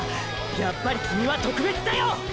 やっぱりキミは特別だよ！！